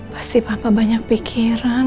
pasti papa banyak pikiran